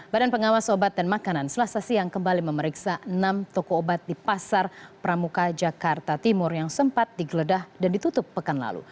badan pengawas obat dan makanan selasa siang kembali memeriksa enam toko obat di pasar pramuka jakarta timur yang sempat digeledah dan ditutup pekan lalu